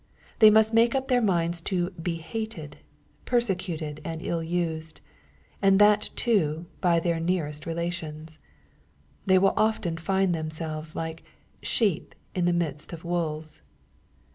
They must make up their minds to " be hated,*' persecuted, and ill used, and that too by their nearest relations. They will often find themselves like " sheep in the midst of wolves."